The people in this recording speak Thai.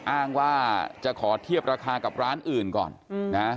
อ้างว่าจะขอเทียบราคากับร้านอื่นก่อนนะ